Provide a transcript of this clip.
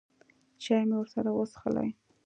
چای مې ورسره وڅښلې.